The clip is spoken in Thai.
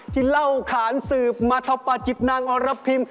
เล่าขานสืบมาเท่าปาจิบนางอรพิม